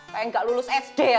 kayak nggak lulus sd ya